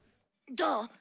「どう？」